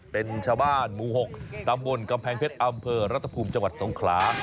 เป็นชาวบ้านหมู่๖ตำบลกำแพงเพชรอำเภอรัฐภูมิจังหวัดสงขลา